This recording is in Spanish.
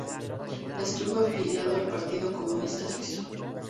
Estuvo afiliado al Partido Comunista Suizo.